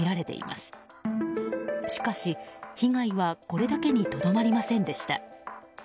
しかし、被害はこれだけにとどまりませんでした。